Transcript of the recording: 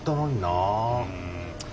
うん。